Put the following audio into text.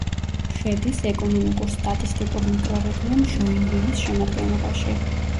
შედის ეკონომიკურ-სტატისტიკურ მიკრორეგიონ ჟოინვილის შემადგენლობაში.